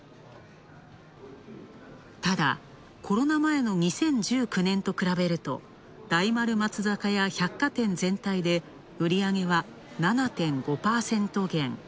ただ、コロナ前の２０１９年と比べると大丸松坂屋百貨店全体で売り上げは、７．５％減。